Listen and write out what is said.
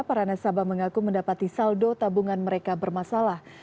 para nasabah mengaku mendapati saldo tabungan mereka bermasalah